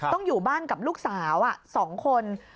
ต้องอยู่บ้านกับลูกสาว๒คน